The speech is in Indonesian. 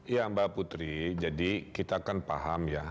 ya mbak putri jadi kita kan paham ya